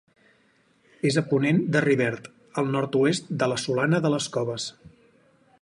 És a ponent de Rivert, al nord-oest de la Solana de les Coves.